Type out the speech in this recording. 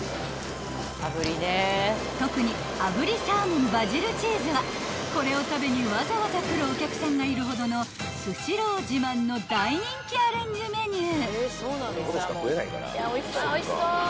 ［特に炙りサーモンバジルチーズはこれを食べにわざわざ来るお客さんがいるほどのスシロー自慢の大人気アレンジメニュー］